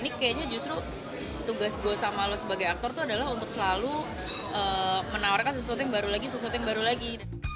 ini kayaknya justru tugas gue sama lo sebagai aktor tuh adalah untuk selalu menawarkan sesuatu yang baru lagi sesuatu yang baru lagi